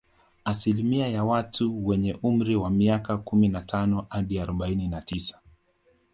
Asilimia ya watu wenye umri wa miaka kumi na tano hadi arobaini na tisa